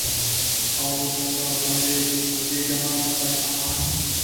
اوس په پردیو کي سوځېږمه د خدای په امان